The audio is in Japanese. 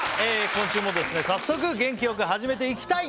今週もですね早速元気よく始めていきたい！